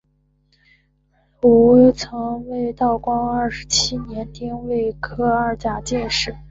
吴慰曾为道光二十七年丁未科二甲进士。